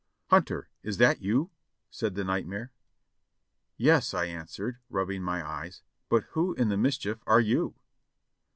"Hunter, is that you?" said the nightmare. "Yes," I answered, rubbing my eyes, "but who in the mischief are you?"